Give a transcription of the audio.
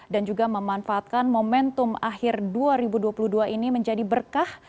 dan juga memanfaatkan momentum akhir dua ribu dua puluh dua ini menjadi berkah